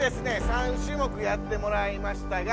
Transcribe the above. ３種目やってもらいましたが。